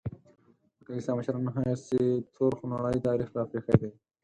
د کلیسا مشرانو هغسې تور خونړی تاریخ راپرېښی دی.